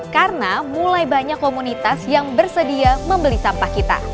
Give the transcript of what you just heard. karena mulai banyak komunitas yang bersedia membeli sampah kita